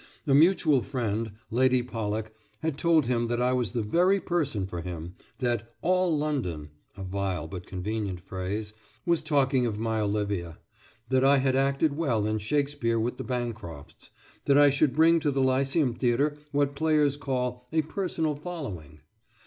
A mutual friend, Lady Pollock, had told him that I was the very person for him; that "All London" (a vile but convenient phrase) was talking of my Olivia; that I had acted well in Shakespeare with the Bancrofts; that I should bring to the Lyceum Theatre what players call "a personal following."